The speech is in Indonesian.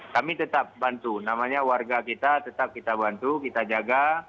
kami tetap bantu namanya warga kita tetap kita bantu kita jaga